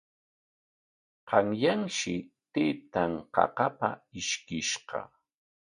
Qanyanshi taytan qaqapa ishkishqa.